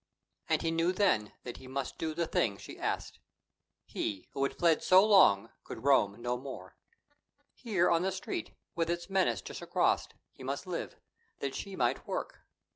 And he knew then that he must do the thing she asked. He, who had fled so long, could roam no more. Here on the Street, with its menace just across, he must live, that she might work.